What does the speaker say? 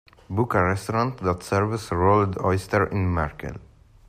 book a restaurant that serves rolled oyster in Merkel